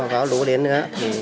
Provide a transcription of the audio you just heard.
bão lũ đến nữa